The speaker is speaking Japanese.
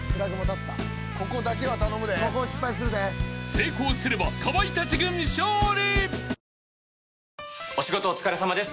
［成功すればかまいたち軍勝利］